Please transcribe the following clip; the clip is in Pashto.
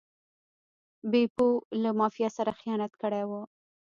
بیپو له مافیا سره خیانت کړی و.